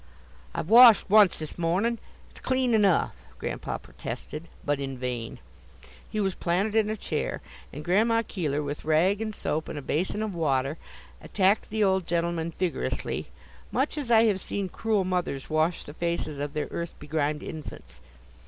"I've washed once this mornin'. It's clean enough," Grandpa protested, but in vain. He was planted in a chair, and Grandma Keeler, with rag and soap and a basin of water, attacked the old gentleman vigorously, much as I have seen cruel mothers wash the faces of their earth begrimed infants.